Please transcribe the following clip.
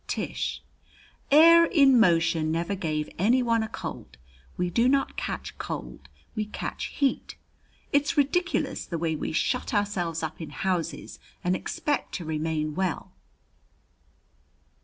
Tish: Air in motion never gave any one a cold. We do not catch cold; we catch heat. It's ridiculous the way we shut ourselves up in houses and expect to remain well.